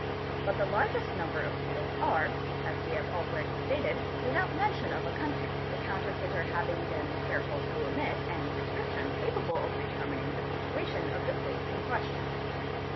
But the largest number of seals are, as we have already stated, without mention of a country, the counterfeiter ple hhh a A TRE TSA NTR eR LPT A Am SN _ having been careful to omit any description capable of determining the situation of the place in question.